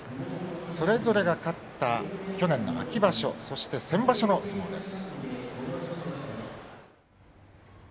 それぞれが勝った去年の秋場所そして先場所の相撲です。